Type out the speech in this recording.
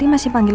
oh mbak ardantic